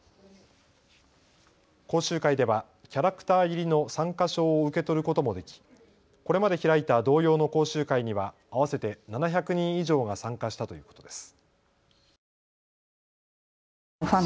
講習会ではキャラクター入りの参加証を受け取ることもできこれまで開いた同様の講習会には合わせて７００人以上が参加したということです。